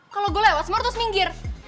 kalau gue lewat smart terus minggir